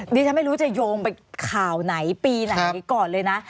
ดิฉันไม่รู้จะโยงไปข่าวไหนปีไหนก่อนเลยนะ